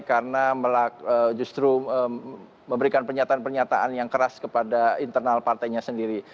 karena justru memberikan pernyataan pernyataan yang keras kepada internal partainya sendiri